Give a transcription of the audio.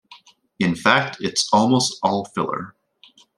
In fact, it's almost "all" filler.